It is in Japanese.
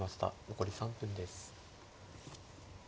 残り３分です。